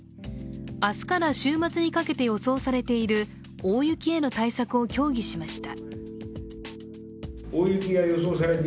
明日から週末にかけて予想されている大雪への対策を協議しました。